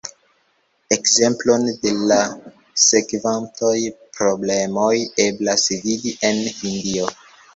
Ekzemplon de la sekvantaj problemoj eblas vidi en Hindio.